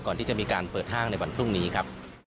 ก่อนที่จะมีการเปิดห้างในวันพรุ่งนี้ครับ